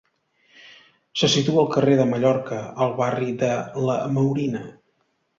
Se situa al carrer de Mallorca, al barri de la Maurina.